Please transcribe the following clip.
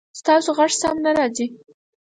ستاسو غږ سم نه راځي